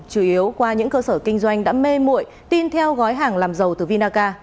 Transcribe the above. chủ yếu qua những cơ sở kinh doanh đã mê mụi tin theo gói hàng làm dầu từ vinaca